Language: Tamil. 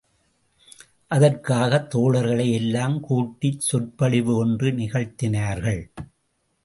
அதற்காக, தோழர்களை எல்லாம் கூட்டிச் சொற்பொழிவு ஒன்று நிகழ்த்தினார்கள்.